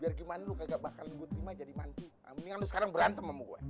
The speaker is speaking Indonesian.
biar gimana lu kagak bakal nunggu lima jadi manti amin sekarang berantem sama gue